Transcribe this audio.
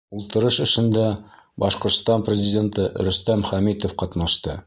Ултырыш эшендә Башҡортостан Президенты Рөстәм Хәмитов ҡатнашты.